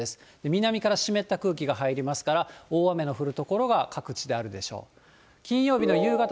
南から湿った空気が入りますから、大雨の降る所が各地であるでしょう。